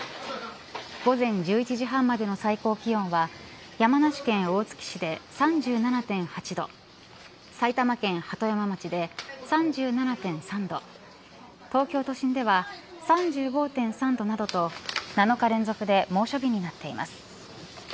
午前１１時半までの最高気温は山梨県大月市で３７．８度埼玉県鳩山町で３７．３度東京都心では３５．３度などと７日連続で猛暑日となっています。